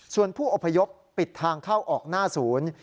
ส่วนผู้อพยพปิดทางเข้าออกหน้าศูนย์